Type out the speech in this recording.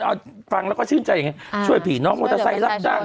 เอาฟังแล้วก็ชื่นใจอย่างนี้ช่วยผีน้องมอเตอร์ไซค์รับจ้าง